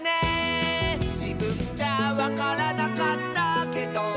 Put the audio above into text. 「じぶんじゃわからなかったけど」